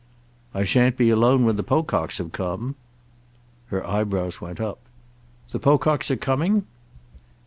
"I shan't be alone when the Pococks have come." Her eyebrows went up. "The Pococks are coming?"